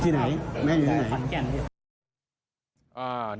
ที่ไหนแม่นี้ไหน